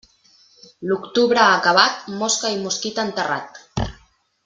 L'octubre acabat, mosca i mosquit enterrat.